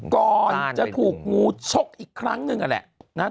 ก่อนจะถูกงูชกอีกครั้งหนึ่งนั่นแหละนะ